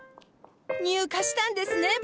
入荷したんですね